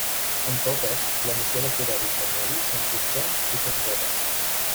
En totes, la noció de poder intermedi s'enfosqueix i s'esborra.